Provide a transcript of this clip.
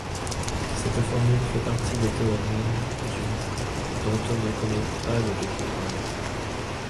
Cette formule fait partie des théorèmes du dont on ne connaît pas le découvreur.